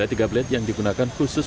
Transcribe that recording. ada tiga bled yang digunakan khusus